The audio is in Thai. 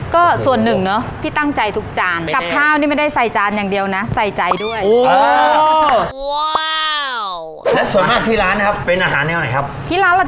ก็ส่วนหนึ่งเนอะพี่ตั้งใจทุกจานกับข้าวนี่ไม่ได้ใส่จานอย่างเดียวนะใส่ใจด้วย